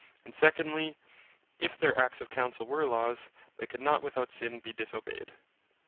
And secondly, if their Acts of Councell, were Laws, they could not without sin be disobeyed.